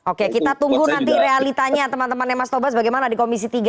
oke kita tunggu nanti realitanya teman temannya mas tobas bagaimana di komisi tiga